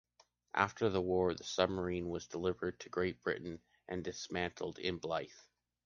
After the war, the submarine was delivered to Great Britain and dismantled in Blyth.